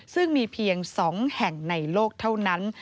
ซึ่งมีเพียง๒แห่งในโลกเท่านั้น